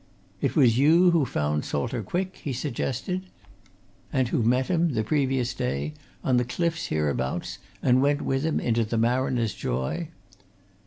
"It was you who found Salter Quick?" he suggested. "And who met him, the previous day, on the cliffs hereabouts, and went with him into the Mariner's Joy?"